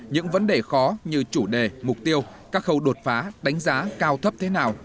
những vấn đề khó như chủ đề mục tiêu các khâu đột phá đánh giá cao thấp thế nào